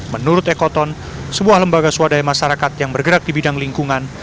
menurut ekoton sebuah lembaga swadaya masyarakat yang bergerak di bidang lingkungan